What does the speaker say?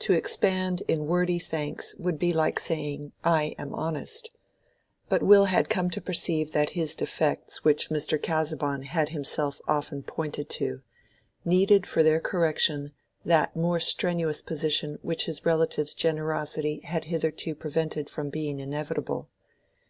To expand in wordy thanks would be like saying, "I am honest." But Will had come to perceive that his defects—defects which Mr. Casaubon had himself often pointed to—needed for their correction that more strenuous position which his relative's generosity had hitherto prevented from being inevitable.